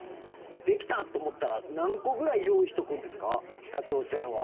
できたと思ったら何個ぐらい用意しておくんですか北朝鮮は。